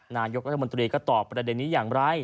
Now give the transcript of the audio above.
นายกรัฐมนตรีก็ตอบประเด็นนี้อย่างไร